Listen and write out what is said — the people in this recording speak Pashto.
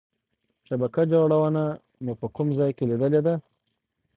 شبکه جوړونه مو په کوم ځای کې لیدلې ده؟